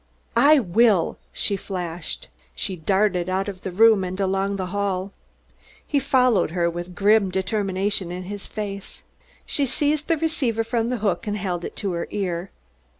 "I will!" she flashed. She darted out of the room and along the hall. He followed her with grim determination in his face. She seized the receiver from the hook and held it to her ear.